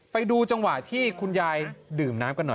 ไปดูจังหวะที่คุณยายดื่มน้ำกันหน่อย